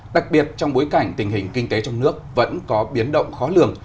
đặc biệt trong bối cảnh tình hình kinh tế trong nước vẫn có biến động khó lường